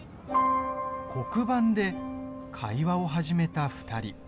黒板で会話を始めた２人。